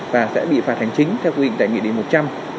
và sẽ bị phạt hành chính theo quy định tại nghị định một trăm linh